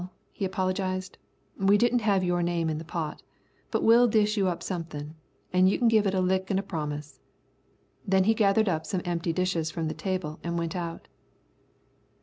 "Well," he apologised, "we didn't have your name in the pot, but we'll dish you up something, an' you can give it a lick an' a promise." Then he gathered up some empty dishes from a table and went out.